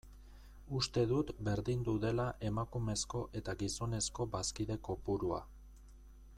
Uste dut berdindu dela emakumezko eta gizonezko bazkide kopurua.